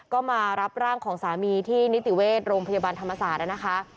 ก็มารับร่างของสามีที่นิติเวชโรงพยาบาลธรรมศาสตร์นะคะ